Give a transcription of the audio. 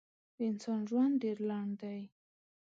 د انسان ژوند ډېر لنډ دی.